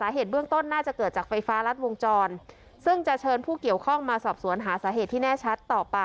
สาเหตุเบื้องต้นน่าจะเกิดจากไฟฟ้ารัดวงจรซึ่งจะเชิญผู้เกี่ยวข้องมาสอบสวนหาสาเหตุที่แน่ชัดต่อไป